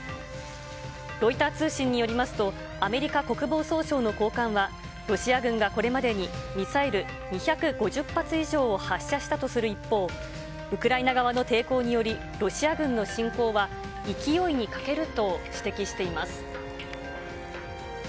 ロイター通信によりますと、アメリカ国防総省の高官は、ロシア軍がこれまでにミサイル２５０発以上を発射したとする一方、ウクライナ側の抵抗により、ロシア軍の侵攻は、勢いに欠けると指摘しています。